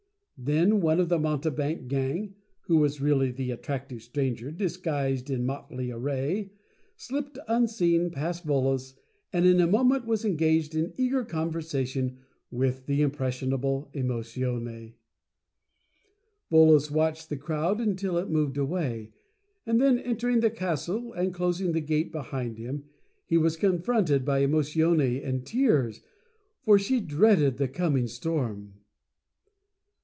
Then one of the mountebank gang (who was really the At tractive Stranger disguised in motley array) slipped, unseen, past Volos, and in a moment was engaged in eager conversation with the impressionable Emotione. Volos watched the crowd until it moved away, and then entering the Castle, and closing the Gate behind him, was confronted by Emotione, in tears, for she dreaded the coming storm.